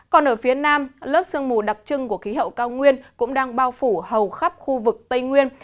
còn ở phía nam lớp sương mù đặc trưng của khí hậu cao nguyên cũng đang bao phủ hầu khắp khu vực tây nguyên